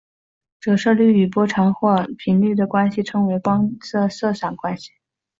折射率与波长或者频率的关系称为光的色散关系。